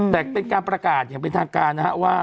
แต่เป็นการประกาศอย่างเป็นทางการนะฮะว่า